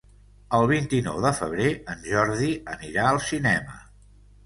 El vint-i-nou de febrer en Jordi anirà al cinema.